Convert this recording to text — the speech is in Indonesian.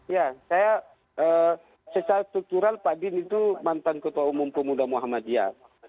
ya saya sesatuk tural pak dim itu mantan ketua umum pemuda muhammadiyah